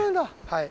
はい。